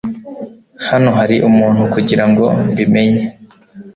Hano hari umuntu kugirango mbi menye